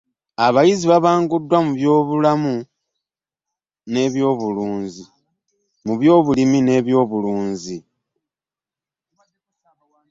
Abayizi babanguddwa mu by'obulimi n'obulunzi